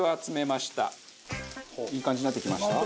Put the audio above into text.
いい感じになってきました？